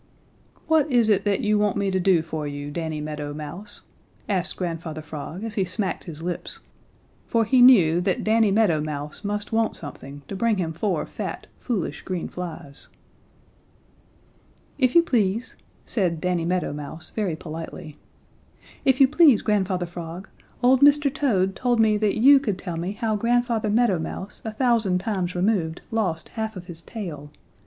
"What is it that you want me to do for you, Danny Meadow Mouse?" asked Grandfather Frog as he smacked his lips, for he knew that Danny Meadow Mouse must want something to bring him four fat, foolish, green flies. "If you please," said Danny Meadow Mouse, very politely, "if you please, Grandfather Frog, old Mr. Toad told me that you could tell me how Grandfather Meadow Mouse a thousand times removed lost half of his tail.